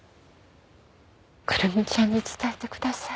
玖瑠美ちゃんに伝えてください。